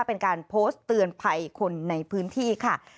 เป็นการโพสต์เตือนภัยคนในพื้นที่ค่ะ